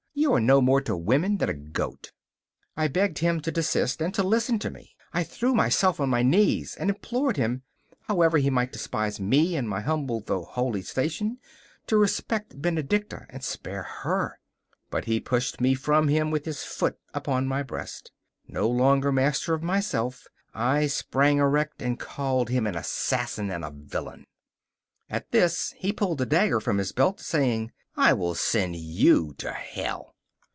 You are no more to women than a goat!' I begged him to desist and to listen to me. I threw myself on my knees and implored him, however he might despise me and my humble though holy station, to respect Benedicta and spare her. But he pushed me from him with his foot upon my breast. No longer master of myself, I sprang erect, and called him an assassin and a villain. At this he pulled a dagger from his belt, saying: 'I will send you to Hell!